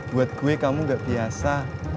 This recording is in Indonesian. buat gue kamu gak biasa